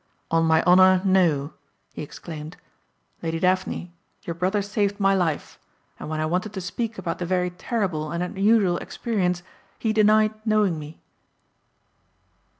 "On my honor, no," he exclaimed. "Lady Daphne, your brother saved my life, and when I wanted to speak about the very terrible and unusual experience he denied knowing me."